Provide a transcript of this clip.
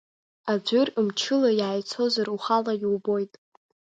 Аӡәыр мчыла иааицозар ухала иубоит.